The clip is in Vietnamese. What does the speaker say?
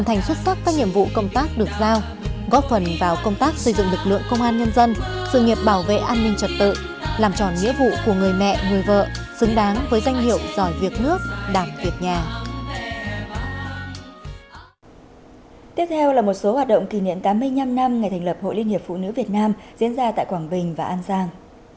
tiếp theo là một số hoạt động kỷ niệm tám mươi năm năm ngày thành lập hội liên hiệp phụ nữ việt nam diễn ra tại quảng bình và an giang